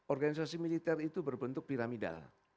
organisasi militer itu berbentuk piramidal